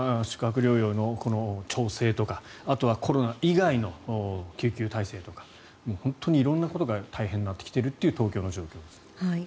宿泊療養の調整とかあとはコロナ以外の救急体制とか本当に色んなことが大変になってきているという東京の状況です。